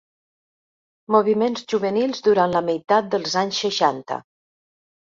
Moviments juvenils durant la meitat dels anys seixanta.